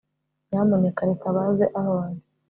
nyamuneka reka baze aho ndi